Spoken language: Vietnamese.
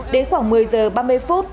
đến khoảng một mươi h ba mươi phút